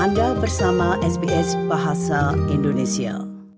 anda bersama sbs bahasa indonesia